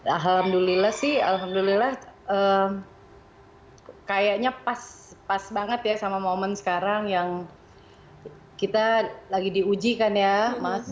alhamdulillah sih alhamdulillah kayaknya pas banget ya sama momen sekarang yang kita lagi diuji kan ya mas